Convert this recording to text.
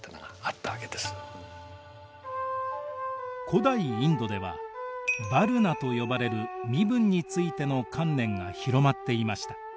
古代インドではヴァルナと呼ばれる身分についての観念が広まっていました。